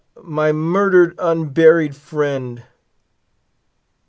my murdered, unburied friend!"